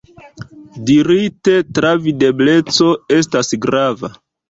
Dirite, travidebleco estas grava.